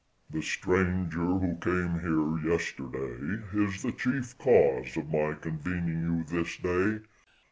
"The stranger who came here yesterday, is the chief cause of my convening you this day.